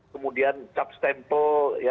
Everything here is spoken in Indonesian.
kemudian cap stempel